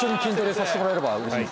させてもらえればうれしいです。